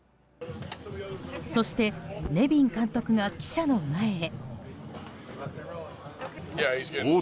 そして、ネビン監督が記者の前へ。